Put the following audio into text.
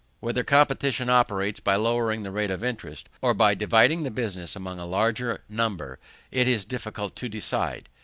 Whether competition operates by lowering the rate of interest, or by dividing the business among a larger number, it is difficult to decide.